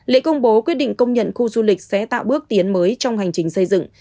lễ công bố quyết định công nhận khu du lịch sẽ tạo bước tiến mới trong hành trình xây dựng